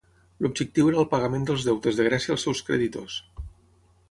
L'objectiu era el pagament dels deutes de Grècia als seus creditors.